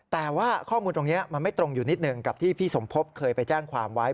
แต่ว่าข้อมูลตรงนี้มันไม่ตรงอยู่นิดหนึ่งกับที่พี่สมภพเคยไปแจ้งความไว้